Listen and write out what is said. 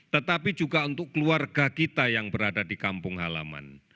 tetapi juga untuk keluarga kita yang berada di kampung halaman